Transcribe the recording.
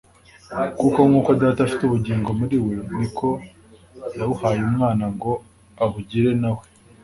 kuko nk’uko Data afite ubugingo muri we, niko yabuhaye Umwana ngo abugire na we